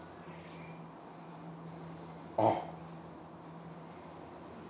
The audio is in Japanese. あっ。